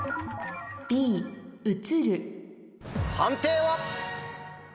判定は？